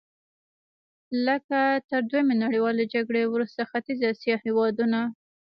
لکه تر دویمې نړیوالې جګړې وروسته ختیځې اسیا هېوادونه.